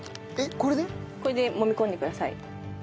これでもみ込んでください。